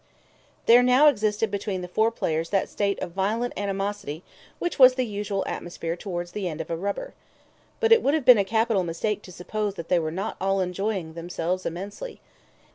There now existed between the four players that state of violent animosity which was the usual atmosphere towards the end of a rubber. But it would have been a capital mistake to suppose that they were not all enjoying themselves immensely.